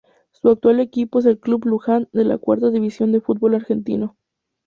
Su actual equipo es Club Luján de la Cuarta División del Fútbol Argentino.